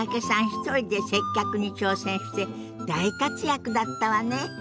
一人で接客に挑戦して大活躍だったわね。